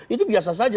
itu biasa saja